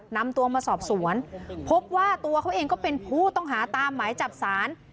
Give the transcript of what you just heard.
นำตัวมาสอบสวนพบว่าตัวเขาเองก็เป็นผู้ต้องหาตามหมายจับศาล